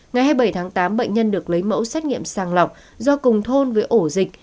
ngày hai mươi bảy tháng tám bệnh nhân được lấy mẫu xét nghiệm sàng lọc do cùng thôn với ổ dịch